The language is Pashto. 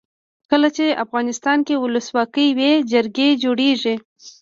کله چې افغانستان کې ولسواکي وي جرګې جوړیږي.